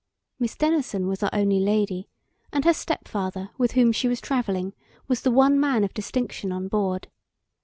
Miss Denison was our only lady, and her step father, with whom she was travelling, was the one man of distinction on board.